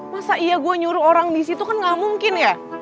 masa iya gue nyuruh orang di situ kan gak mungkin ya